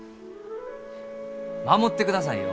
守ってくださいよ。